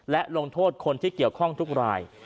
และลงโทษคนที่เกี่ยวข้องทุกราย